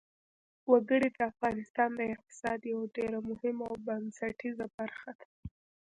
وګړي د افغانستان د اقتصاد یوه ډېره مهمه او بنسټیزه برخه ده.